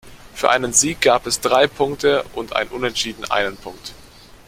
Für einen Sieg gab es drei Punkte und ein Unterschieden einen Punkt.